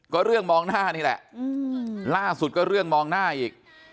ก็เรื่องมองหน้านี่แหละล่าสุดก็เรื่องมองหน้าอีก